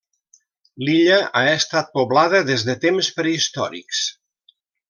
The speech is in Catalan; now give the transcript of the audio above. L'illa ha estat poblada des de temps prehistòrics.